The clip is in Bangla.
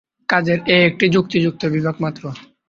কাজের এ একটা যুক্তিযুক্ত বিভাগ মাত্র।